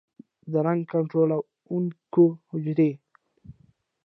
د رنګ کنټرولونکو حجرې